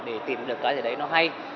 để tìm được cái gì đấy nó hay